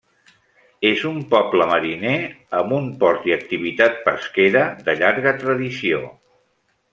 És un poble mariner amb un port i activitat pesquera de llarga tradició.